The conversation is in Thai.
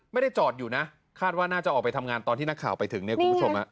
ไม่ได้จอดอยู่นะคาดว่าน่าจะออกไปทำงานตอนที่นักข่าวไปถึงเนี่ยคุณผู้ชม